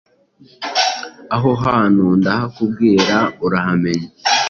Aho hantu ndahakubwira urahamenya